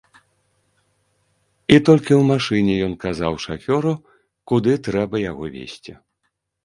І толькі ў машыне ён казаў шафёру, куды трэба яго везці.